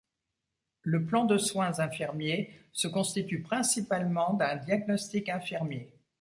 Le plan de soins infirmier se constitue principalement d'un diagnostic infirmier.